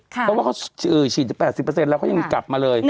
เพราะว่าเขาฉีด๘๐เปอร์เซ็นต์แล้วเขายังกลับมาเลย